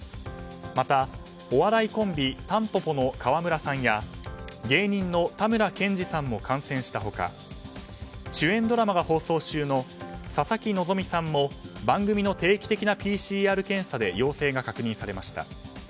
また、お笑いコンビたんぽぽの川村さんや芸人のたむらけんじさんも感染したほか主演ドラマが放送中の佐々木希さんも番組の定期的なＰＣＲ検査で陽性が確認されました。